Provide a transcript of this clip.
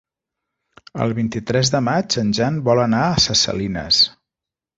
El vint-i-tres de maig en Jan vol anar a Ses Salines.